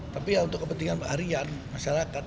tapi ya untuk kepentingan pak harian masyarakat